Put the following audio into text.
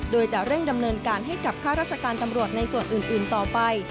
โดยจะเร่งดำเนินการให้กับข้าราชการตำรวจในส่วนอื่นต่อไป